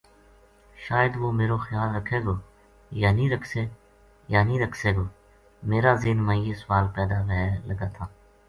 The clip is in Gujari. شاید وُہ میرو خیال رکھے گو یا نیہہ رکھسے گو میرا ذہن ما یہ سوال پیدا و ھے لگا تھا